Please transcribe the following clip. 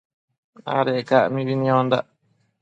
Adec ca mibi niondandac